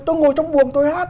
tớ ngồi trong buồn tớ hát